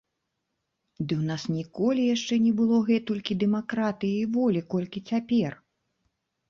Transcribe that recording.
Ды ў нас ніколі яшчэ не было гэтулькі дэмакратыі і волі, колькі цяпер!